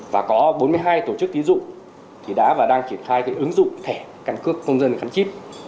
và có bốn mươi hai tổ chức tín dụng thì đã và đang triển khai ứng dụng thẻ căn cước công dân gắn chip